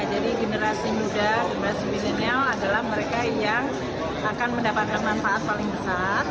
jadi generasi muda generasi milenial adalah mereka yang akan mendapatkan manfaat paling besar